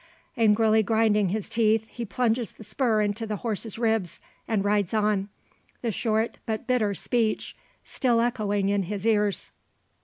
Angrily grinding his teeth, he plunges the spur into his horse's ribs, and rides on the short, but bitter, speech still echoing in his ears.